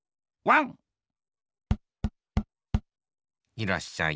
いらっしゃい。